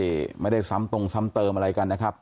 ไม่ได้ซ้ำตรงซ้ำเติมอะไรกันนะครับ